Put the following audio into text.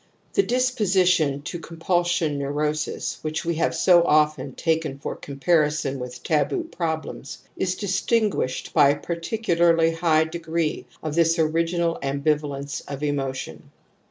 ' The disposition to compulsion neurosis which we have so often taken for comparison with taboo problems, is distinguished by a particularly high degree of this original ambi valence of emotions.